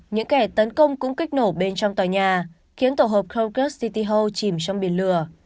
những kẻ tấn công cũng kích nổ bên trong tòa nhà khiến tổ hợp kroger city ho chìm trong biển lửa